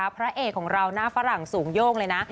พระเอกของเราหน้าฝรั่งสูงโย่งเลยนะ